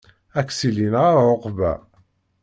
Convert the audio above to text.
Aksil yenɣa ɛuqba.